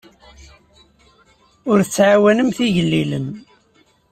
Ur tettɛawanemt igellilen.